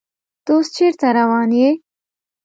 ته اوس چیرته روان یې؟